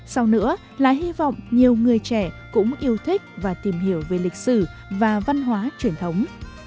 sau nữa là hy vọng nhiều người trẻ cũng yêu thích và tìm hiểu về lịch sử và văn hóa truyền thống